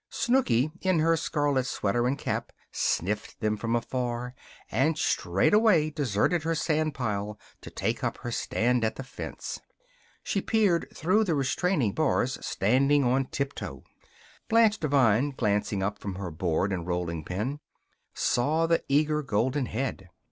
Snooky, in her scarlet sweater and cap, sniffed them from afar and straightway deserted her sand pile to take her stand at the fence. She peered through the restraining bars, standing on tiptoe. Blanche Devine, glancing up from her board and rolling pin, saw the eager golden head.